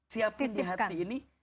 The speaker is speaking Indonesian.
siapin di hati ini